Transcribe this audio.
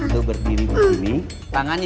itu berdiri di sini tangannya